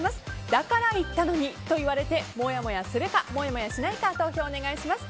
だから言ったのにと言われてもやもやするかもやもやしないか投票をお願いします。